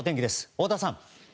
太田さん。